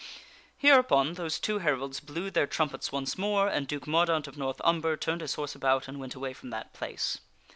Hereupon those two heralds blew their trumpets once more, and Duke Mordaunt of North Umber turned his horse about and >vent away from that place.